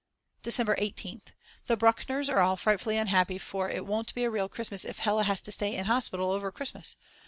December 18th. The Bruckners are all frightfully unhappy for it won't be a real Christmas if Hella has to stay in hospital over Christmas.